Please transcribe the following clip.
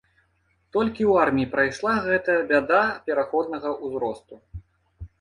Толькі ў арміі прайшла гэтая бяда пераходнага ўзросту.